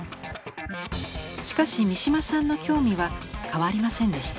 しかし三島さんの興味は変わりませんでした。